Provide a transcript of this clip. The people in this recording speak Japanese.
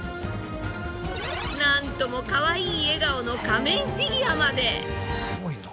なんともかわいい笑顔の仮面フィギュアまで。